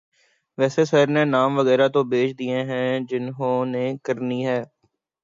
ویسے سر نے نام وغیرہ تو بھیج دیے ہیں جنہوں نے کرنی ہے۔